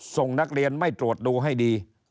ส่งนักเรียนไม่ตรวจดูให้ดี